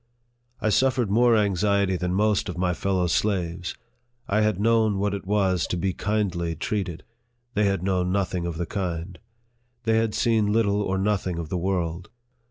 I suffered more anxiety than most of my fellow slaves. I had known what it was to be kindly treated ; they had known nothing of the kind. They had seen little or nothing of the world.